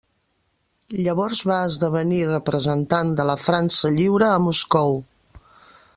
Llavors va esdevenir representant de la França Lliure a Moscou.